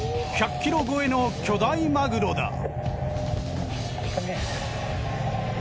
１００ｋｇ超えの巨大マグロだ。